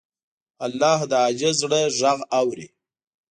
الله د عاجز زړه غږ اوري.